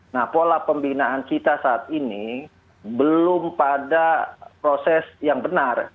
nah pola pembinaan kita saat ini belum pada proses yang benar